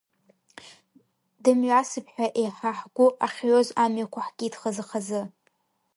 Дымҩасып ҳәа еиҳа ҳгәы ахьҩоз амҩақәа ҳкит хазы-хазы.